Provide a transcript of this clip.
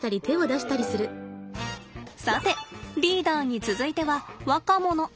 さてリーダーに続いては若者。